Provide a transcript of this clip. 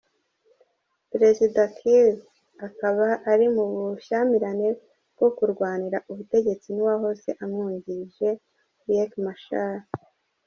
Perezida Kiir akaba ari mu bushyamirane bwo kurwanira ubutegetsi n’uwahoze amwungirije Riek Machar.